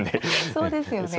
そうですよね。